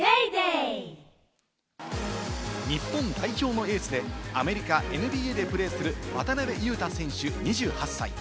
日本代表のエースで、アメリカ・ＮＢＡでプレーする渡邊雄太選手、２８歳。